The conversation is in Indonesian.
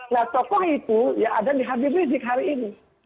nah tokoh itu ya ada di habib rizik hari ini